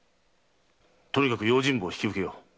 とにかく用心棒を引き受けよう。